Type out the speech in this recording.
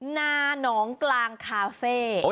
นาหนองกลางคาเฟ่